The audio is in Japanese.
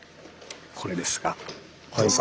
これですがどうぞ。